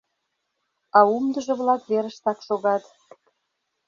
А умдыжо-влак верыштак шогат.